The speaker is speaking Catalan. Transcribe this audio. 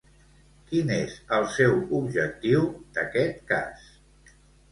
Quin és el seu objectiu d'aquest cas?